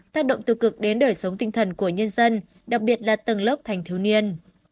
tác động tiêu cực đến đời sống tinh thần của nhân dân đặc biệt là tầng lớp thanh thiếu niên